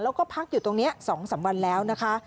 แล้วก็พักอยู่ตรงนี้๒๓วันแล้วนะคะ